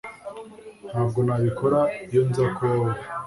ntabwo nabikora iyo nza kuba wowe